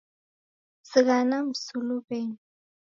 Zighana msuluwenyi